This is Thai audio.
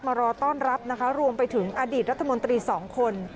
รอต้อนรับนะคะรวมไปถึงอดีตรัฐมนตรีสองคน